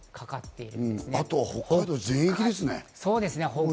あとは北海道全域ですね。